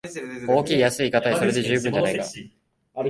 大きい安いかたい、それで十分じゃないか